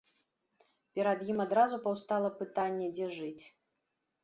Перад ім адразу паўстала пытанне, дзе жыць.